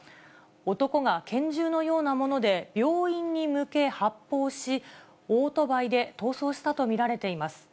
男が拳銃のようなもので病院に向け発砲し、オートバイで逃走したと見られています。